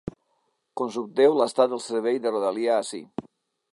Consulteu l’estat del servei de rodalia ací.